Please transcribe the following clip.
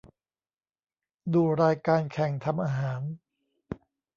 ดูรายการแข่งทำอาหาร